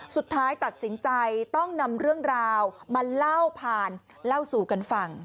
สุดท้ายตัดสินใจต้องนำเรื่องราวมาเล่าผ่านเล่าสู่กันฟัง